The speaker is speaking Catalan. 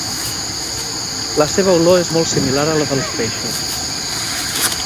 La seva olor és molt similar a la dels peixos.